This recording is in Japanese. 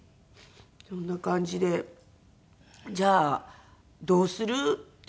そんな感じでじゃあどうする？ってなって。